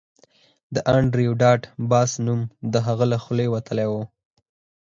د انډریو ډاټ باس نوم د هغه له خولې وتلی و